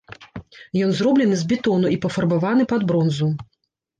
Ён зроблены з бетону і пафарбаваны пад бронзу.